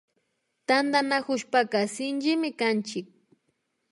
Tantanakushpaka Shinchimi kanchik